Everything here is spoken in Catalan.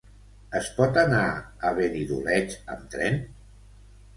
Es pot anar a Benidoleig amb tren?